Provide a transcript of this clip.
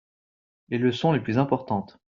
Les leçons les plus importantes.